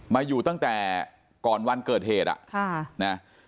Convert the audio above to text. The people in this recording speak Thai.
มาอยู่ตั้งแต่ก่อนวันเกิดเหตุ